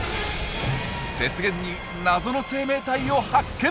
雪原に謎の生命体を発見！